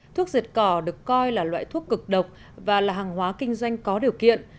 thuốc diệt cỏ được coi là loại thuốc cực độc và là hàng hóa kinh doanh có điều kiện